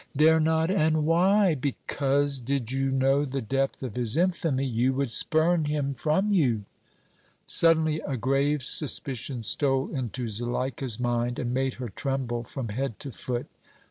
"Dare not! And why?" "Because, did you know the depth of his infamy, you would spurn him from you!" Suddenly a grave suspicion stole into Zuleika's mind and made her tremble from head to foot.